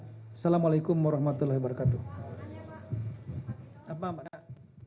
assalamualaikum warahmatullahi wabarakatuh